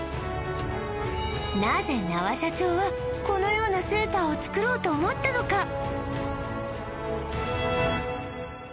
なぜ那波社長はこのようなスーパーを作ろうと思ったのか？